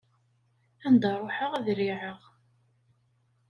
Anda ruḥeɣ, ad riɛeɣ.